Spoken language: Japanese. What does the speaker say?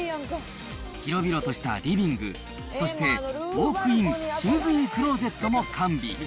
広々としたリビング、そして、ウォークイン、シューズインクローゼットも完備。